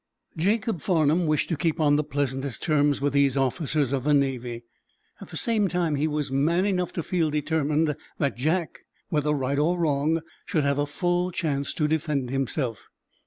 Jacob Farnum wished to keep on the pleasantest terms with these officers of the Navy. At the same time he was man enough to feel determined that Jack, whether right or wrong, should have a full chance to defend himself.